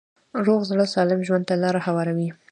روغ زړه سالم ژوند ته لاره هواروي.